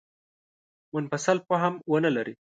منفصل فهم ونه لري.